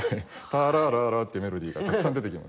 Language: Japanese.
「タラララ」というメロディーがたくさん出てきます。